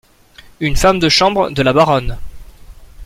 Une femme de chambre de la Baronne .